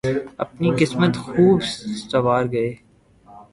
اپنی قسمت خوب سنوار گئے۔